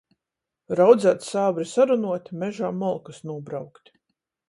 Raudzeit sābri sarunuot, mežā molkys nūbraukt...